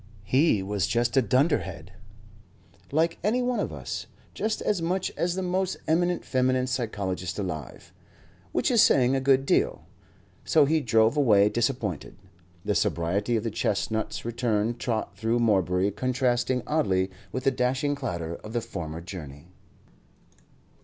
He was just a dunderhead, like any one of us just as much as the most eminent feminine psychologist alive which is saying a good deal. So he drove away disappointed, the sobriety of the chestnut's return trot through Morebury contrasting oddly with the dashing clatter of the former journey.